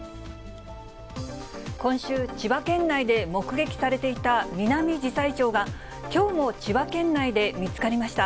今週、千葉県内で目撃されていたミナミジサイチョウが、きょうも千葉県内で見つかりました。